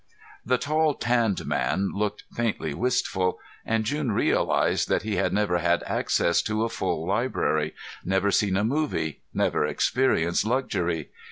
The tall tanned man looked faintly wistful, and June realized that he had never had access to a full library, never seen a movie, never experienced luxury.